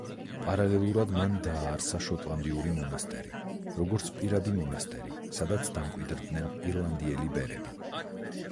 პარალელურად, მან დააარსა შოტლანდიური მონასტერი, როგორც პირადი მონასტერი, სადაც დამკვიდრდნენ ირლანდიელი ბერები.